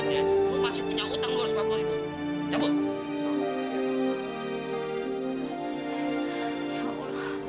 tuh ya kamu tenang aja kamu